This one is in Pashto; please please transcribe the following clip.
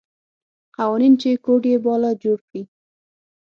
قوانین چې کوډ یې باله جوړ کړي.